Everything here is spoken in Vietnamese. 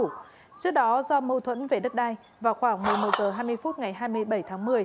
trước đó do mâu thuẫn về đất đai vào khoảng một mươi một h hai mươi phút ngày hai mươi bảy tháng một mươi